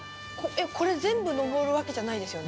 これ全部、上るわけじゃないですよね。